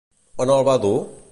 On el va dur?